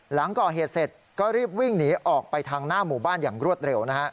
หลังก่อเหตุเสร็จก็รีบวิ่งหนีออกไปทางหน้าหมู่บ้านอย่างรวดเร็วนะฮะ